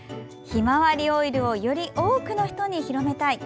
ひまわりオイルをより多くの人に広めたい。